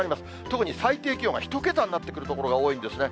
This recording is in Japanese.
特に最低気温が１桁になってくる所が多いんですね。